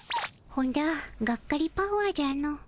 本田がっかりパワーじゃの。